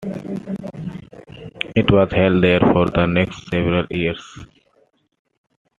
It was held there for the next several years.